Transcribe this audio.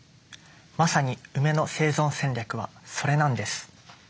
まさにウメの生存戦略はそれなんです。